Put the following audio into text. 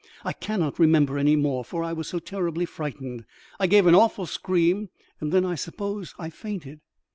I cannot remember any more, for I was so terribly frightened. I gave an awful scream, and then I suppose I fainted."